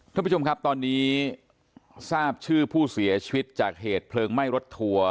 ท่านผู้ชมครับตอนนี้ทราบชื่อผู้เสียชีวิตจากเหตุเพลิงไหม้รถทัวร์